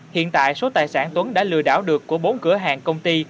hiện tại số tài sản tuấn đã lừa đảo được của bốn cửa hàng công ty